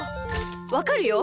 わかるよ。